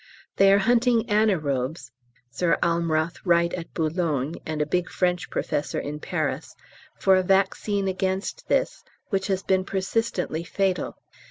They are hunting anærobes (Sir Almroth Wright at Boulogne and a big French Professor in Paris) for a vaccine against this, which has been persistently fatal.